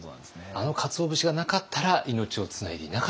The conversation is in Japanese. あのかつお節がなかったら命をつないでいなかったかもしれない。